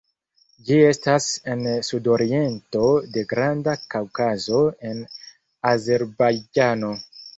Ĝi estas en sudoriento de Granda Kaŭkazo en Azerbajĝano.